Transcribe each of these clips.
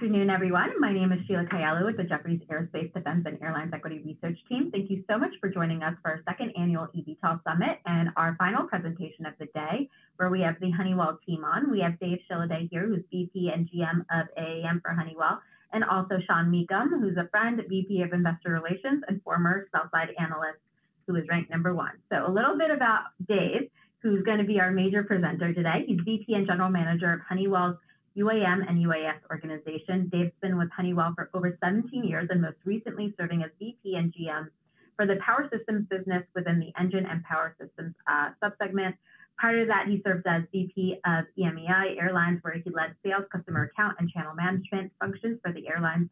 Good afternoon, everyone. My name is Sheila Kahyaoglu with the Jefferies Aerospace, Defense, and Airlines Equity Research Team. Thank you so much for joining us for our second annual eVTOL Summit and our final presentation of the day, where we have the Honeywell team on. We have Dave Shilliday here, who's VP and GM of AAM for Honeywell, and also Sean Meakim, who's a friend, VP of Investor Relations and former sell-side analyst, who was ranked number one. So a little bit about Dave, who's gonna be our major presenter today. He's VP and General Manager of Honeywell's UAM and UAS organization. Dave's been with Honeywell for over 17 years, and most recently serving as VP and GM for the Power Systems business within the Engine and Power Systems sub-segment. Prior to that, he served as VP of EMEA Airlines, where he led sales, customer account, and channel management functions for the airlines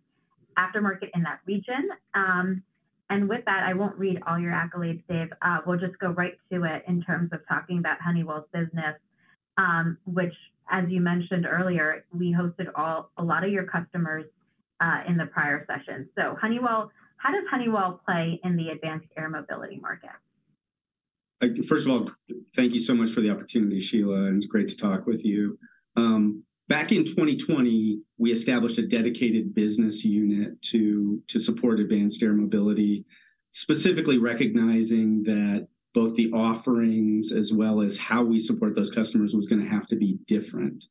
aftermarket in that region. And with that, I won't read all your accolades, Dave. We'll just go right to it in terms of talking about Honeywell's business, which, as you mentioned earlier, we hosted a lot of your customers in the prior session. So Honeywell, how does Honeywell play in the advanced air mobility market? First of all, thank you so much for the opportunity, Sheila, and it's great to talk with you. Back in 2020, we established a dedicated business unit to support advanced air mobility, specifically recognizing that both the offerings as well as how we support those customers was gonna have to be different.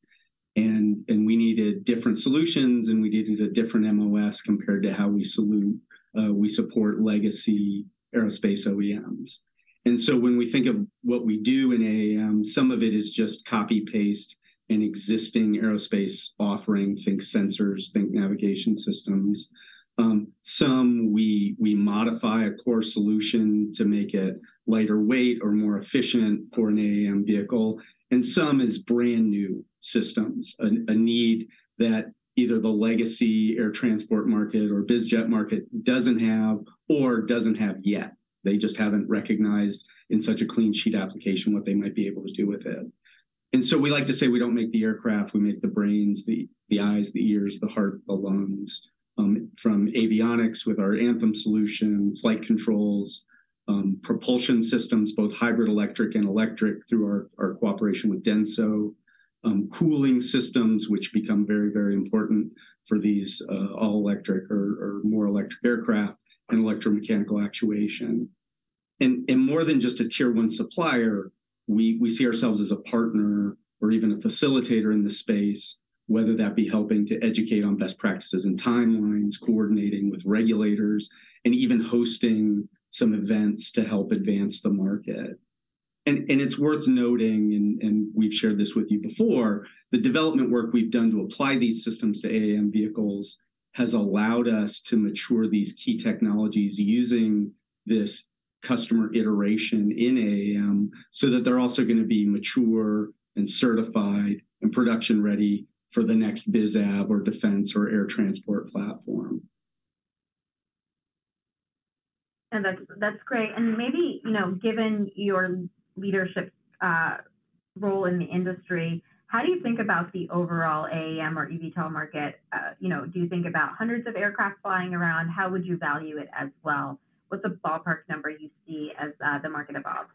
And we needed different solutions, and we needed a different MOS compared to how we support legacy aerospace OEMs. And so when we think of what we do in AAM, some of it is just copy-paste an existing aerospace offering, think sensors, think navigation systems. Some we modify a core solution to make it lighter weight or more efficient for an AAM vehicle, and some is brand-new systems, a need that either the legacy air transport market or biz jet market doesn't have or doesn't have yet. They just haven't recognized in such a clean sheet application what they might be able to do with it. And so we like to say we don't make the aircraft, we make the brains, the eyes, the ears, the heart, the lungs, from avionics with our Anthem solution, flight controls, propulsion systems, both hybrid electric and electric, through our cooperation with DENSO, cooling systems, which become very, very important for these, all electric or more electric aircraft and electromechanical actuation. And more than just a tier one supplier, we see ourselves as a partner or even a facilitator in this space, whether that be helping to educate on best practices and timelines, coordinating with regulators, and even hosting some events to help advance the market. It's worth noting, and we've shared this with you before, the development work we've done to apply these systems to AAM vehicles has allowed us to mature these key technologies using this customer iteration in AAM, so that they're also gonna be mature and certified and production-ready for the next BizAv or defense or air transport platform. That's, that's great. Maybe, you know, given your leadership role in the industry, how do you think about the overall AAM or eVTOL market? You know, do you think about hundreds of aircraft flying around? How would you value it as well? What's the ballpark number you see as the market evolve?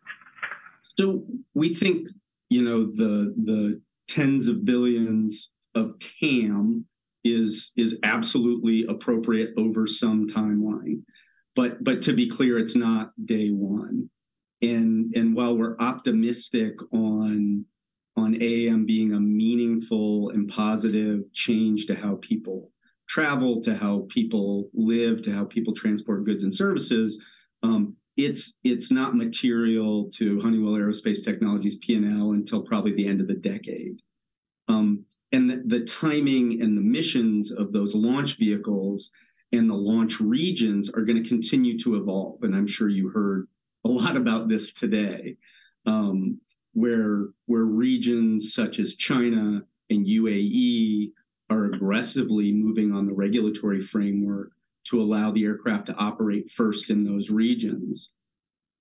So we think, you know, the tens of billions of TAM is absolutely appropriate over some timeline. But to be clear, it's not day one. And while we're optimistic on AAM being a meaningful and positive change to how people travel, to how people live, to how people transport goods and services, it's not material to Honeywell Aerospace Technologies P&L until probably the end of the decade. And the timing and the missions of those launch vehicles and the launch regions are gonna continue to evolve, and I'm sure you heard a lot about this today, where regions such as China and UAE are aggressively moving on the regulatory framework to allow the aircraft to operate first in those regions.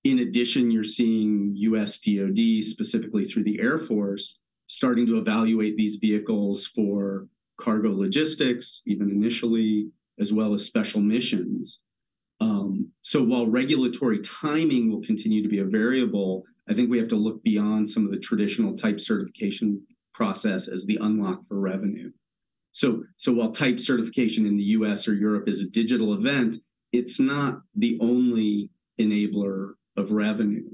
In addition, you're seeing US DOD, specifically through the Air Force, starting to evaluate these vehicles for cargo logistics, even initially, as well as special missions. So while regulatory timing will continue to be a variable, I think we have to look beyond some of the traditional type certification process as the unlock for revenue. So, so while type certification in the U.S. or Europe is a digital event, it's not the only enabler of revenue.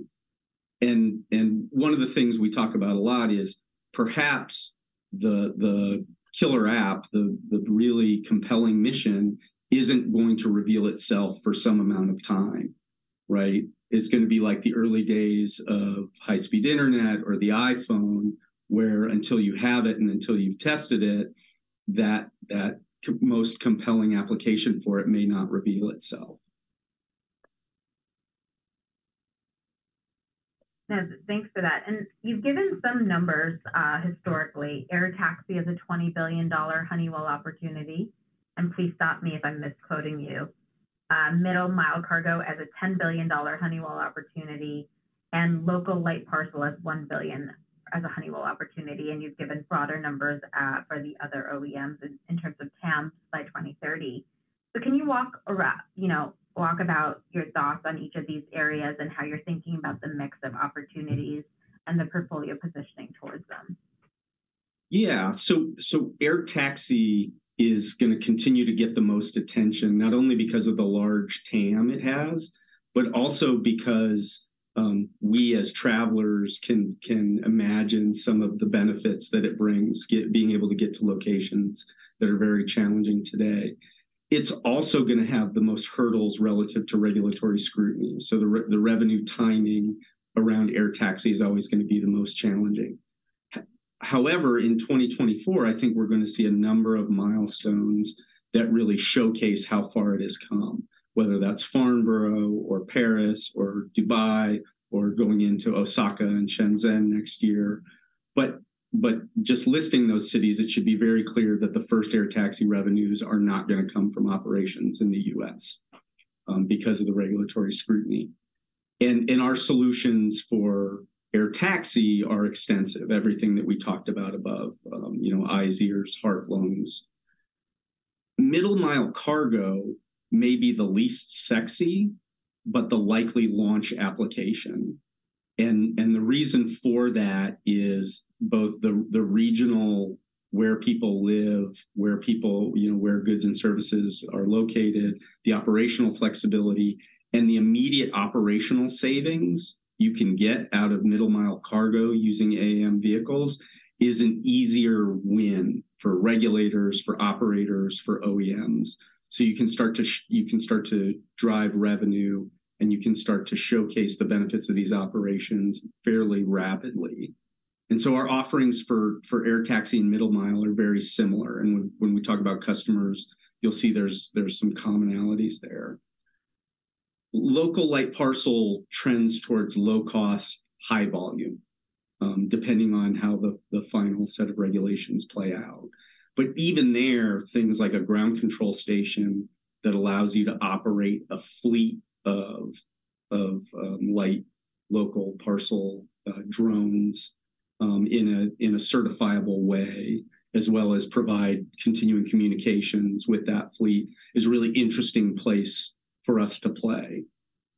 And, and one of the things we talk about a lot is perhaps the, the killer app, the, the really compelling mission isn't going to reveal itself for some amount of time, right? It's gonna be like the early days of high-speed internet or the iPhone, where until you have it and until you've tested it, that, that most compelling application for it may not reveal itself. Yeah. Thanks for that. And you've given some numbers historically. Air taxi is a $20 billion Honeywell opportunity, and please stop me if I'm misquoting you. Middle-mile cargo as a $10 billion Honeywell opportunity, and local light parcel as $1 billion as a Honeywell opportunity, and you've given broader numbers for the other OEMs in terms of TAM by 2030.... So can you walk around, you know, walk about your thoughts on each of these areas and how you're thinking about the mix of opportunities and the portfolio positioning towards them? Yeah. So air taxi is gonna continue to get the most attention, not only because of the large TAM it has, but also because we, as travelers, can imagine some of the benefits that it brings, being able to get to locations that are very challenging today. It's also gonna have the most hurdles relative to regulatory scrutiny, so the revenue timing around air taxi is always gonna be the most challenging. However, in 2024, I think we're gonna see a number of milestones that really showcase how far it has come, whether that's Farnborough or Paris or Dubai or going into Osaka and Shenzhen next year. But just listing those cities, it should be very clear that the first air taxi revenues are not gonna come from operations in the US, because of the regulatory scrutiny. And our solutions for air taxi are extensive, everything that we talked about above, you know, eyes, ears, heart, lungs. middle mile cargo may be the least sexy, but the likely launch application. And the reason for that is both the regional, where people live, you know, where goods and services are located, the operational flexibility, and the immediate operational savings you can get out of middle mile cargo using AAM vehicles is an easier win for regulators, for operators, for OEMs. So you can start to drive revenue, and you can start to showcase the benefits of these operations fairly rapidly. And so our offerings for air taxi and middle mile are very similar, and when we talk about customers, you'll see there's some commonalities there. Local light parcel trends towards low cost, high volume, depending on how the final set of regulations play out. But even there, things like a ground control station that allows you to operate a fleet of light local parcel drones in a certifiable way, as well as provide continuing communications with that fleet, is a really interesting place for us to play.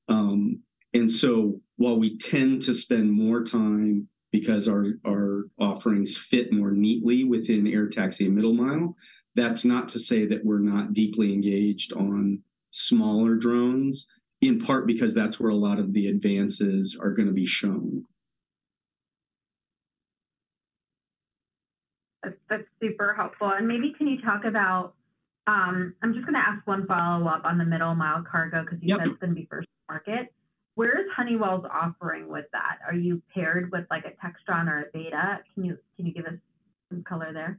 And so while we tend to spend more time because our offerings fit more neatly within air taxi and middle mile, that's not to say that we're not deeply engaged on smaller drones, in part because that's where a lot of the advances are gonna be shown. That's, that's super helpful. And maybe can you talk about, I'm just gonna ask one follow-up on the middle mile cargo- Yep 'Cause you said it's gonna be first market. Where is Honeywell's offering with that? Are you paired with, like, a Textron or a Beta? Can you, can you give us some color there?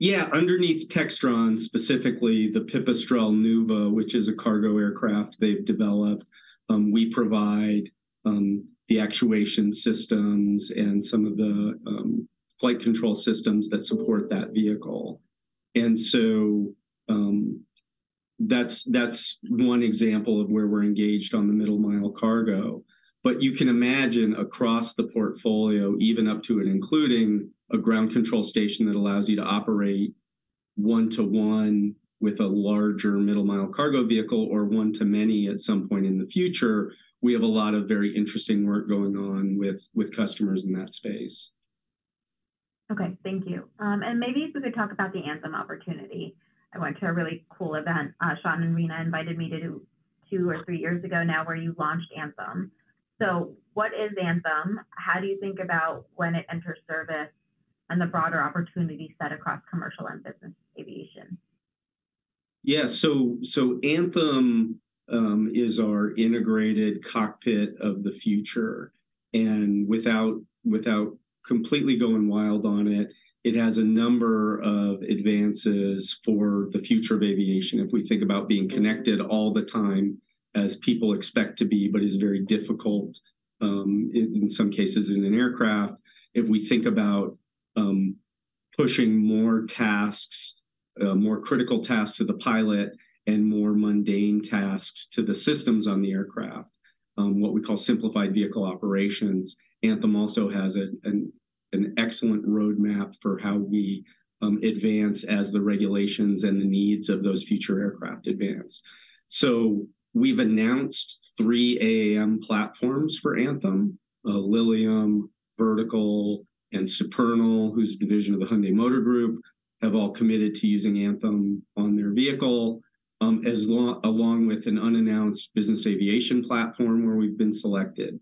Yeah. Underneath Textron, specifically the Pipistrel Nuuva, which is a cargo aircraft they've developed, we provide the actuation systems and some of the flight control systems that support that vehicle. And so, that's one example of where we're engaged on the middle mile cargo. But you can imagine across the portfolio, even up to and including a ground control station that allows you to operate one-to-one with a larger middle mile cargo vehicle or one-to-many at some point in the future, we have a lot of very interesting work going on with customers in that space. Okay, thank you. Maybe if we could talk about the Anthem opportunity. I went to a really cool event, Sean and Reena invited me to do two or three years ago now, where you launched Anthem. So what is Anthem? How do you think about when it enters service and the broader opportunity set across commercial and business aviation? Yeah. So, Anthem is our integrated cockpit of the future, and without completely going wild on it, it has a number of advances for the future of aviation. If we think about being connected all the time, as people expect to be, but is very difficult in some cases, in an aircraft, if we think about pushing more tasks, more critical tasks to the pilot and more mundane tasks to the systems on the aircraft, what we call simplified vehicle operations, Anthem also has an excellent roadmap for how we advance as the regulations and the needs of those future aircraft advance. So we've announced three AAM platforms for Anthem, Lilium, Vertical, and Supernal, whose division of the Hyundai Motor Group, have all committed to using Anthem on their vehicle, along with an unannounced business aviation platform where we've been selected.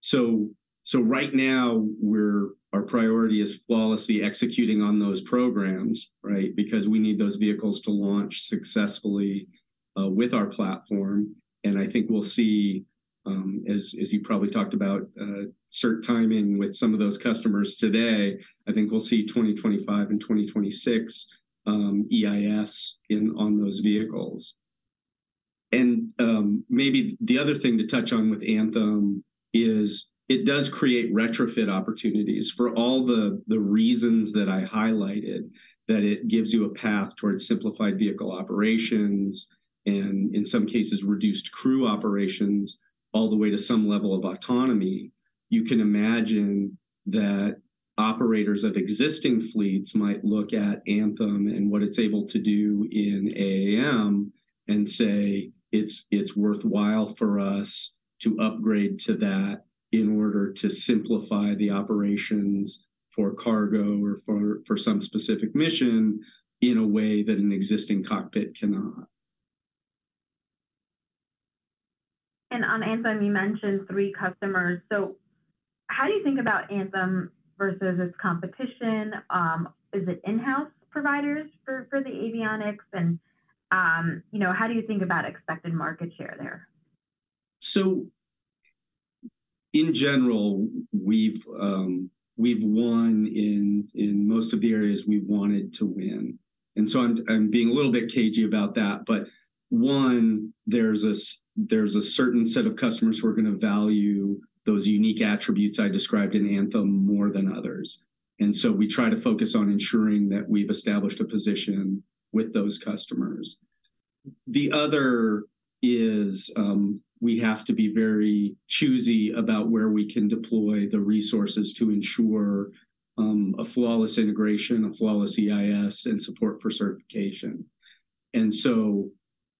So right now, our priority is flawlessly executing on those programs, right? Because we need those vehicles to launch successfully, with our platform, and I think we'll see, as you probably talked about, cert timing with some of those customers today, I think we'll see 2025 and 2026, EIS in, on those vehicles. Maybe the other thing to touch on with Anthem is it does create retrofit opportunities for all the reasons that I highlighted, that it gives you a path towards simplified vehicle operations and in some cases, reduced crew operations all the way to some level of autonomy. You can imagine that operators of existing fleets might look at Anthem and what it's able to do in AAM, and say, "It's worthwhile for us to upgrade to that in order to simplify the operations for cargo or for some specific mission in a way that an existing cockpit cannot. On Anthem, you mentioned three customers. How do you think about Anthem versus its competition? Is it in-house providers for the avionics? You know, how do you think about expected market share there? So in general, we've won in most of the areas we've wanted to win. And so I'm being a little bit cagey about that. But one, there's a certain set of customers who are gonna value those unique attributes I described in Anthem more than others, and so we try to focus on ensuring that we've established a position with those customers. The other is, we have to be very choosy about where we can deploy the resources to ensure a flawless integration, a flawless EIS, and support for certification. And so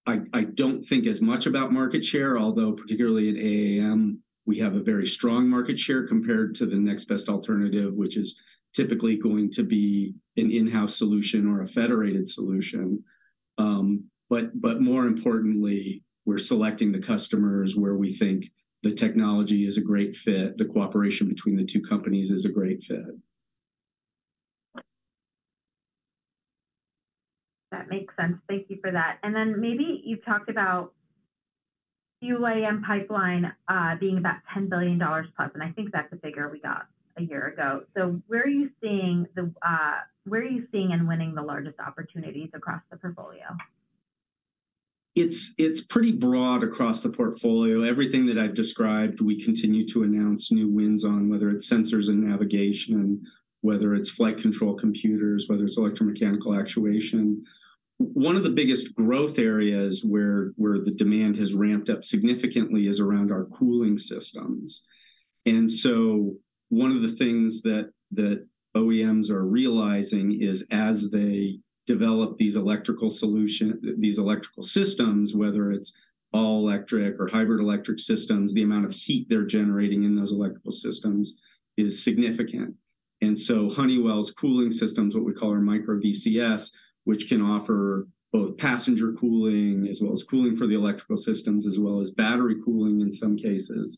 I don't think as much about market share, although particularly at AAM, we have a very strong market share compared to the next best alternative, which is typically going to be an in-house solution or a federated solution. But more importantly, we're selecting the customers where we think the technology is a great fit, the cooperation between the two companies is a great fit. That makes sense. Thank you for that. And then maybe you've talked about UAM pipeline, being about $10 billion plus, and I think that's the figure we got a year ago. So where are you seeing and winning the largest opportunities across the portfolio? It's pretty broad across the portfolio. Everything that I've described, we continue to announce new wins on, whether it's sensors and navigation, whether it's flight control computers, whether it's electromechanical actuation. One of the biggest growth areas where the demand has ramped up significantly is around our cooling systems. And so one of the things that OEMs are realizing is, as they develop these electrical solution... these electrical systems, whether it's all-electric or hybrid electric systems, the amount of heat they're generating in those electrical systems is significant. And so Honeywell's cooling systems, what we call our MicroVCS, which can offer both passenger cooling, as well as cooling for the electrical systems, as well as battery cooling in some cases,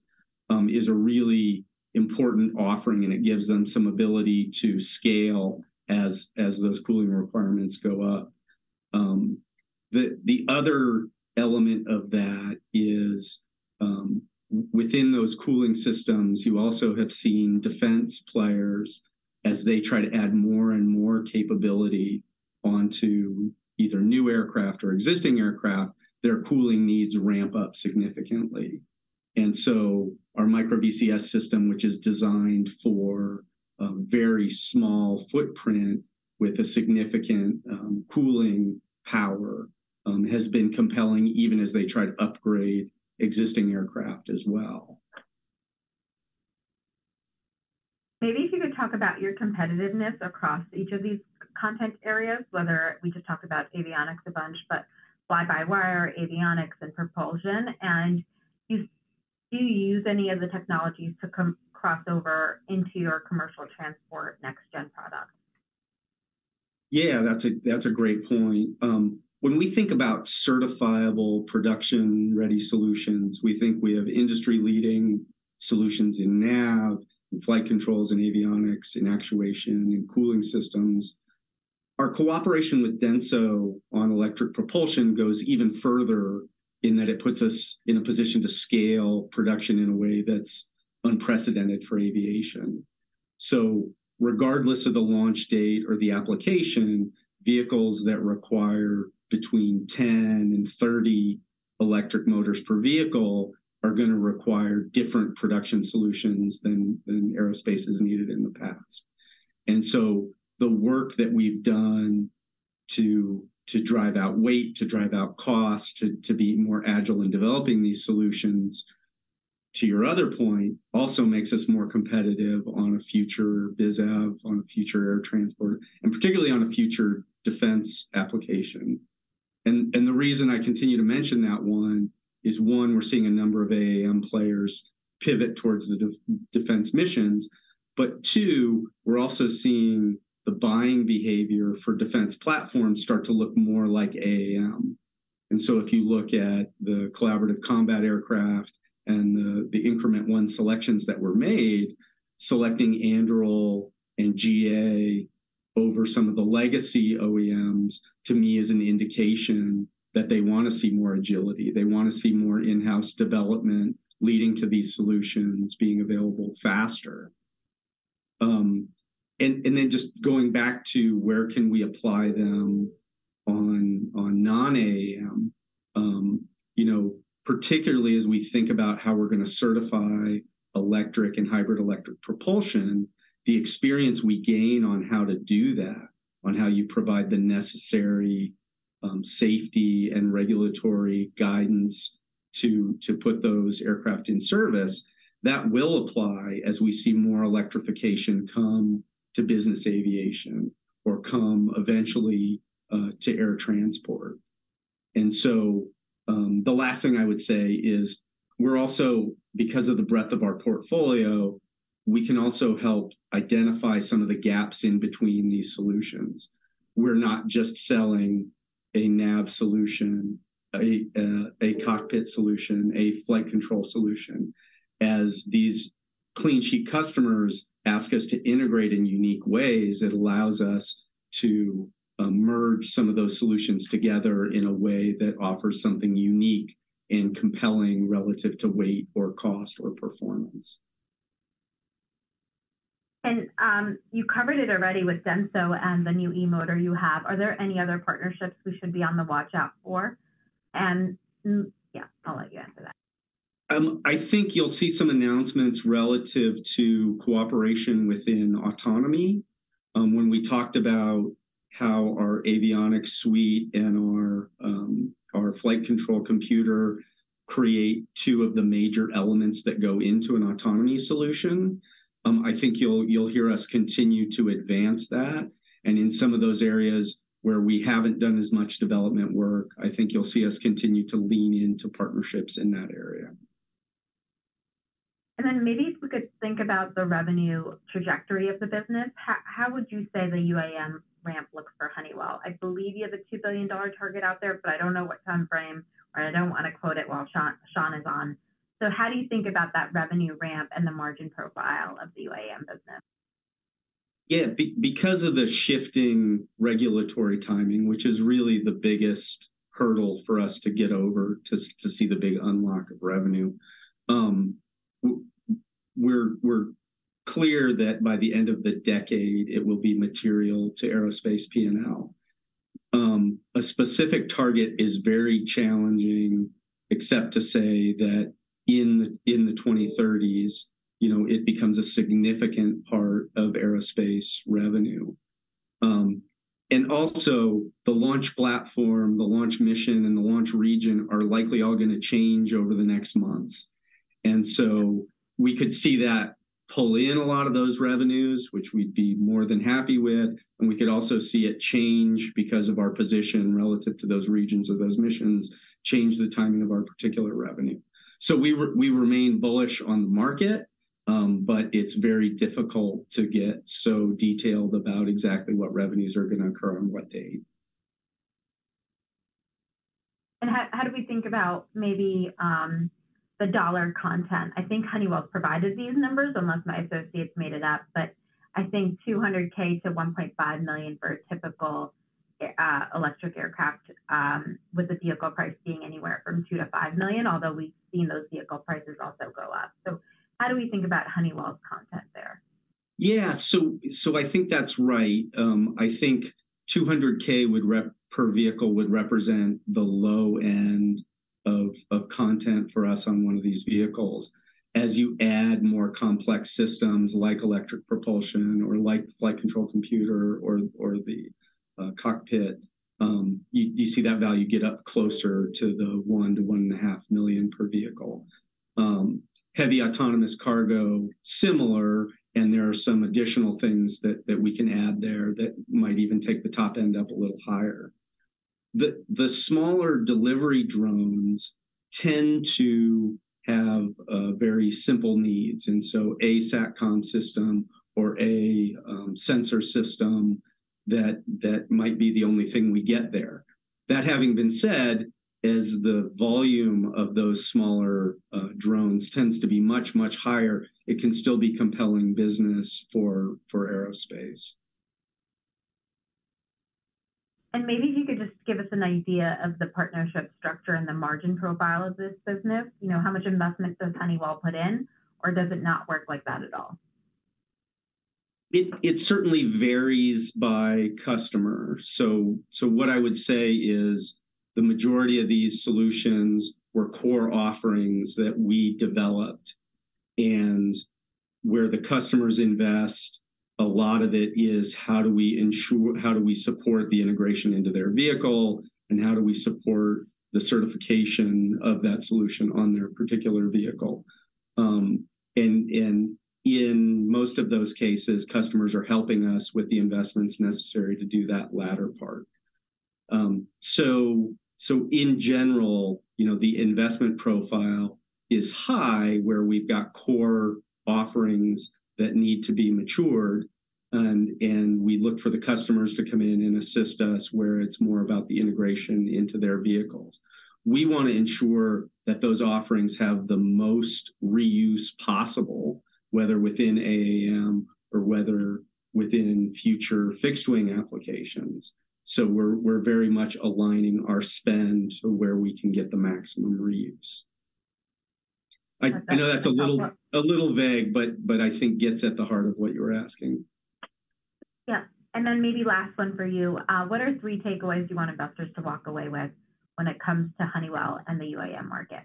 is a really important offering, and it gives them some ability to scale as those cooling requirements go up. The other element of that is, within those cooling systems, you also have seen defense players, as they try to add more and more capability onto either new aircraft or existing aircraft, their cooling needs ramp up significantly. And so our MicroVCS system, which is designed for a very small footprint with a significant cooling power, has been compelling even as they try to upgrade existing aircraft as well. Maybe if you could talk about your competitiveness across each of these content areas, whether we just talked about avionics a bunch, but fly-by-wire, avionics, and propulsion, and do you, do you use any of the technologies to come—crossover into your commercial transport next-gen products? Yeah, that's a great point. When we think about certifiable production-ready solutions, we think we have industry-leading solutions in nav, in flight controls, in avionics, in actuation, in cooling systems. Our cooperation with DENSO on electric propulsion goes even further in that it puts us in a position to scale production in a way that's unprecedented for aviation. So regardless of the launch date or the application, vehicles that require between 10 and 30 electric motors per vehicle are gonna require different production solutions than aerospace has needed in the past. And so the work that we've done to drive out weight, to drive out cost, to be more agile in developing these solutions, to your other point, also makes us more competitive on a future BizAv, on a future air transport, and particularly on a future defense application. The reason I continue to mention that one is, one, we're seeing a number of AAM players pivot towards the defense missions. But two, we're also seeing the buying behavior for defense platforms start to look more like AAM. And so if you look at the Collaborative Combat Aircraft and the Increment 1 selections that were made, selecting Anduril and GA over some of the legacy OEMs, to me, is an indication that they wanna see more agility. They wanna see more in-house development, leading to these solutions being available faster. Then just going back to where can we apply them on non-AAM, you know, particularly as we think about how we're gonna certify electric and hybrid electric propulsion, the experience we gain on how to do that, on how you provide the necessary safety and regulatory guidance-... to put those aircraft in service, that will apply as we see more electrification come to business aviation or come eventually to air transport. And so, the last thing I would say is we're also, because of the breadth of our portfolio, we can also help identify some of the gaps in between these solutions. We're not just selling a nav solution, a, a cockpit solution, a flight control solution. As these clean sheet customers ask us to integrate in unique ways, it allows us to merge some of those solutions together in a way that offers something unique and compelling relative to weight or cost or performance. You covered it already with DENSO and the new e-motor you have. Are there any other partnerships we should be on the watch out for? Yeah, I'll let you answer that. I think you'll see some announcements relative to cooperation within autonomy. When we talked about how our avionics suite and our flight control computer create two of the major elements that go into an autonomy solution, I think you'll hear us continue to advance that. And in some of those areas where we haven't done as much development work, I think you'll see us continue to lean into partnerships in that area. Then maybe if we could think about the revenue trajectory of the business, how would you say the UAM ramp looks for Honeywell? I believe you have a $2 billion target out there, but I don't know what time frame, and I don't wanna quote it while Sean is on. So how do you think about that revenue ramp and the margin profile of the UAM business? Yeah, because of the shifting regulatory timing, which is really the biggest hurdle for us to get over to see the big unlock of revenue, we're clear that by the end of the decade, it will be material to Aerospace P&L. A specific target is very challenging, except to say that in the 2030s, you know, it becomes a significant part of Aerospace revenue. And also the launch platform, the launch mission, and the launch region are likely all gonna change over the next months. And so we could see that pull in a lot of those revenues, which we'd be more than happy with, and we could also see it change because of our position relative to those regions or those missions, change the timing of our particular revenue. So we remain bullish on the market, but it's very difficult to get so detailed about exactly what revenues are gonna occur on what date. How, how do we think about maybe the dollar content? I think Honeywell provided these numbers, unless my associates made it up, but I think $200,000-$1.5 million for a typical electric aircraft with the vehicle price being anywhere from $2 million-$5 million, although we've seen those vehicle prices also go up. So how do we think about Honeywell's content there? Yeah. So, so I think that's right. I think $200,000 per vehicle would represent the low end of content for us on one of these vehicles. As you add more complex systems, like electric propulsion or like the flight control computer or the cockpit, you see that value get up closer to the $1 million-$1.5 million per vehicle. Heavy autonomous cargo, similar, and there are some additional things that we can add there that might even take the top end up a little higher. The smaller delivery drones tend to have very simple needs, and so a SATCOM system or a sensor system might be the only thing we get there. That having been said, as the volume of those smaller drones tends to be much, much higher, it can still be compelling business for aerospace. And maybe if you could just give us an idea of the partnership structure and the margin profile of this business. You know, how much investment does Honeywell put in, or does it not work like that at all? It certainly varies by customer. So what I would say is the majority of these solutions were core offerings that we developed, and where the customers invest, a lot of it is how do we support the integration into their vehicle, and how do we support the certification of that solution on their particular vehicle? And in most of those cases, customers are helping us with the investments necessary to do that latter part. So in general, you know, the investment profile is high, where we've got core offerings that need to be matured, and we look for the customers to come in and assist us, where it's more about the integration into their vehicles. We wanna ensure that those offerings have the most reuse possible, whether within AAM or whether within future fixed-wing applications. So we're very much aligning our spend to where we can get the maximum reuse. I- That's- I know that's a little vague, but I think gets at the heart of what you were asking. Yeah. And then maybe last one for you. What are three takeaways you want investors to walk away with when it comes to Honeywell and the UAM market?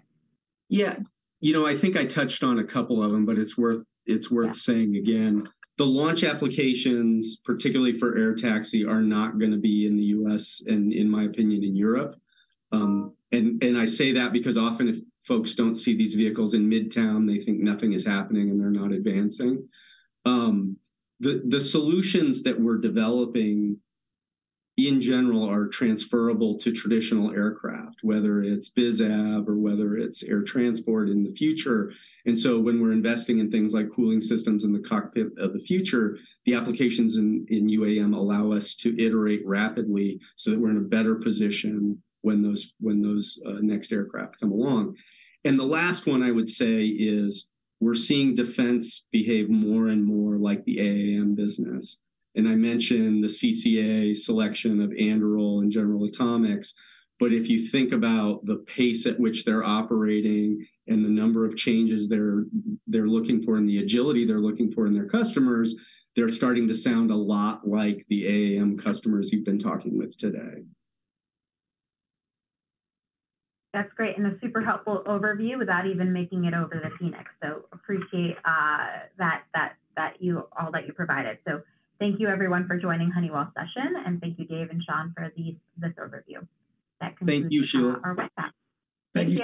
Yeah. You know, I think I touched on a couple of them, but it's worth, it's worth saying again. Yeah. The launch applications, particularly for air taxi, are not gonna be in the US, and in my opinion, in Europe. I say that because often, if folks don't see these vehicles in Midtown, they think nothing is happening, and they're not advancing. The solutions that we're developing, in general, are transferable to traditional aircraft, whether it's BizAv or whether it's air transport in the future. And so when we're investing in things like cooling systems in the cockpit of the future, the applications in UAM allow us to iterate rapidly so that we're in a better position when those next aircraft come along. And the last one I would say is, we're seeing defense behave more and more like the AAM business. I mentioned the CCA selection of Anduril and General Atomics, but if you think about the pace at which they're operating and the number of changes they're looking for, and the agility they're looking for in their customers, they're starting to sound a lot like the AAM customers you've been talking with today. That's great, and a super helpful overview without even making it over to Phoenix, so appreciate all that you provided. So thank you, everyone, for joining Honeywell's session, and thank you, Dave and Sean, for this overview. That concludes- Thank you, Sheila. Our webcam. Thank you.